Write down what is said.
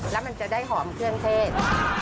แล้วมันจะได้หอมเครื่องเทศ